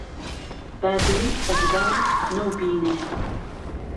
با گولهی سهگباب نهوبینێ